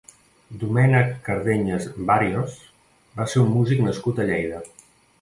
Domènec Cardenyes Bàrios va ser un músic nascut a Lleida.